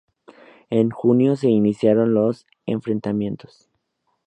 En junio se iniciaron los enfrentamientos.